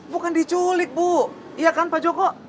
bukan diculik bu iya kan pak joko